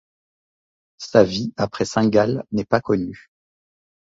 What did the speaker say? Sa vie après Saint-Gall n'est pas connue.